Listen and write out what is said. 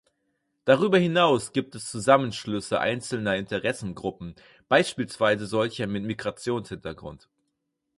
Darüber hinaus gibt es Zusammenschlüsse einzelner Interessengruppen, beispielsweise solcher mit Migrationshintergrund.